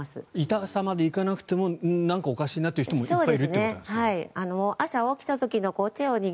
痛さまで行かなくてもなんかおかしいなっていう人もいっぱいいるってことですね。